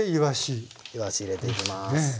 いわし入れていきます。